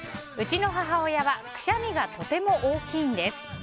うちの母親はくしゃみがとても大きいんです。